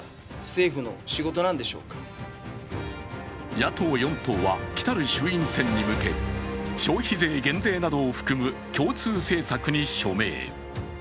野党４党は来たる衆院選に向け消費税減税などを含む共通政策に署名。